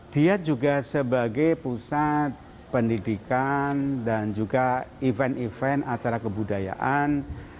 dia juga sebagai pusat pendidikan dan juga event event acara kebudayaan